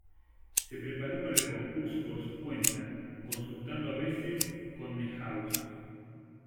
Se preparó para el concurso por su cuenta, consultando a veces con Neuhaus.